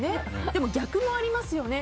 でも、逆もありますよね。